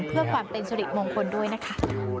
เพื่อความเป็นสุริมงคลด้วยนะคะ